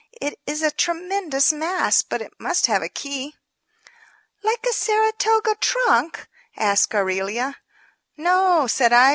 It is a tremendous mass, but it must have a key." "Like a Saratoga trunk?" asked Aurelia. "No," said I.